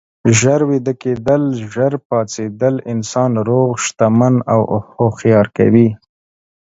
ژر ویده کیدل، ژر پاڅیدل انسان روغ، شتمن او هوښیار کوي.